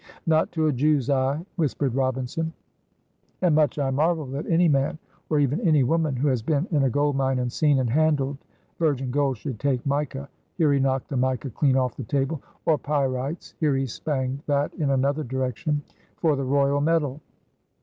"Not to a Jew's eye," whispered Robinson. "And much I marvel that any man or even any woman who has been in a gold mine and seen and handled virgin gold should take mica" (here he knocked the mica clean off the table) "or pyrites" (here he spanged that in another direction) "for the royal metal."